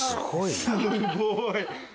すごい！